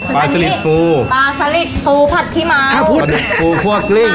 ปลาสลิดฟูปลาสลิดฟูพัดที่เม้าส์หน้าพุนปลาดุกฟูกับกลิ้ง